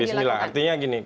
bismillah artinya gini